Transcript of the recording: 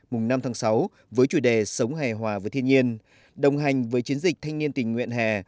mùng năm tháng sáu với chủ đề sống hè hòa với thiên nhiên